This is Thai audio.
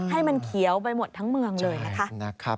ให้มันเขียวไปหมดทั้งเมืองเลยนะคะ